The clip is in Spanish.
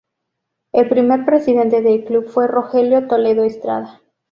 El primer presidente del club fue Rogelio Toledo Estrada.